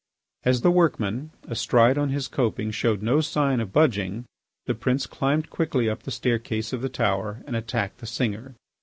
As the workman, astride on his coping, showed no sign of budging, the prince climbed quickly up the staircase of the tower and attacked the singer.